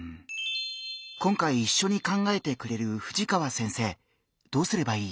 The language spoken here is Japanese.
今回いっしょに考えてくれる藤川先生どうすればいい？